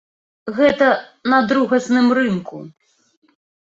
Гэта на другасным рынку.